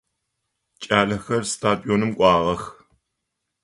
Кӏалэхэр стадионым кӏуагъэх.